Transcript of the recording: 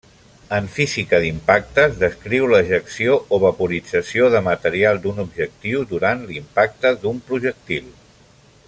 En física d'impactes descriu l'ejecció o vaporització de material d'un objectiu durant l'impacte d'un projectil.